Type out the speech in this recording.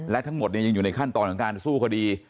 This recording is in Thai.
และทั้งหมดยังอยู่ในขั้นตอนของการสู้คดี